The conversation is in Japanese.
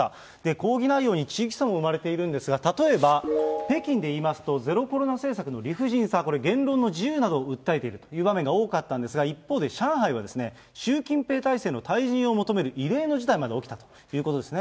抗議内容に地域差も生まれているんですが、例えば北京で言いますと、ゼロコロナ政策の理不尽さ、これ、言論の自由などを訴えているという場面が多かったんですが、一方で、上海では習近平体制の退陣を求める異例の事態まで起きたということですね。